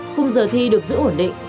khung giờ thi được giữ ổn định